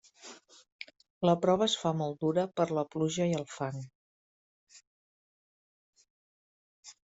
La prova es fa molt dura per la pluja i el fang.